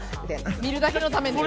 見るだけのために。